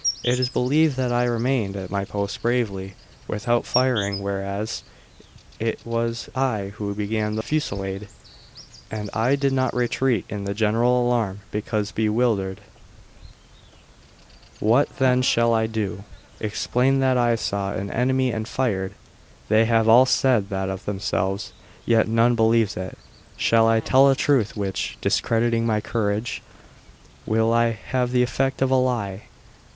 It is believed that I remained at my post bravely, without firing, whereas it was I who began the fusillade, and I did not retreat in the general alarm because bewildered. What, then, shall I do? Explain that I saw an enemy and fired? They have all said that of themselves, yet none believes it. Shall I tell a truth which, discrediting my courage, will have the effect of a lie?